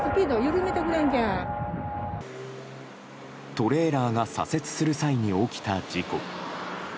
トレーラーが左折する際に起きた事故。